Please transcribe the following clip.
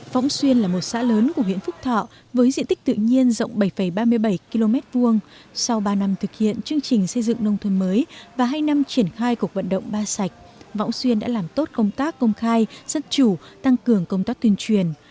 võng xuyên là một xã lớn của huyện phúc thọ với diện tích tự nhiên rộng bảy ba mươi bảy km hai sau ba năm thực hiện chương trình xây dựng nông thôn mới và hai năm triển khai cuộc vận động ba sạch võng xuyên đã làm tốt công tác công khai dân chủ tăng cường công tác tuyên truyền